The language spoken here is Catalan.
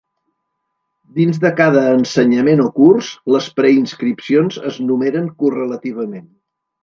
Dins de cada ensenyament o curs, les preinscripcions es numeren correlativament.